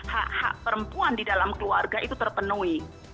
hak hak perempuan di dalam keluarga itu terpenuhi